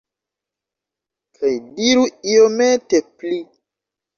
Kaj diru iomete pli